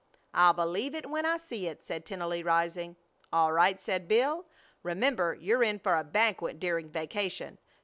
"I'll believe it when I see it," said Tennelly, rising. "All right," said Bill. "Remember you're in for a banquet during vacation.